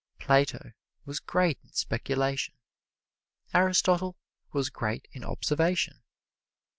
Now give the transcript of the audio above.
Plato was great in speculation; Aristotle was great in observation.